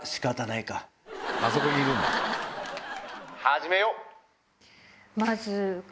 始めよう！